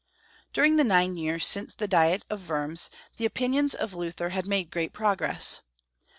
During the nine years since the Diet of Wurms, the opinions of Luther had made great progress.